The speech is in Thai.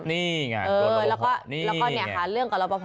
นี่ไงรอปภนี่ไงแล้วก็เนี่ยหาเรื่องกับรอปภ